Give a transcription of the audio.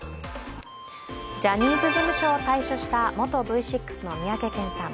ジャニーズ事務所を退所した元Ｖ６の三宅健さん。